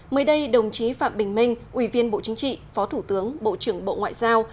mới đây đồng chí phạm bình minh ủy viên bộ chính trị phó thủ tướng bộ trưởng bộ ngoại giao